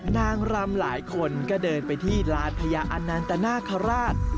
นางรำหลายคนก็เดินไปที่ลานพญาอนันตนาคาราช